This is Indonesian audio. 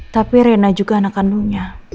tapi rena juga anak kandungnya